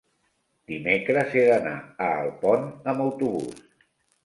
Dimecres he d'anar a Alpont amb autobús.